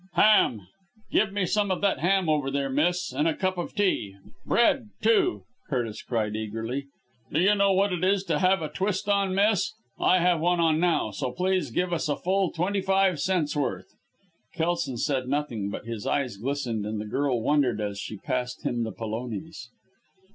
"Ham! Give me some of that ham over there, miss, and a cup of tea! Bread too!" Curtis cried eagerly. "Do you know what it is to have a twist on, miss? I have one on now so please give us a full twenty five cents' worth." Kelson said nothing, but his eyes glistened, and the girl wondered as she passed him the polonies.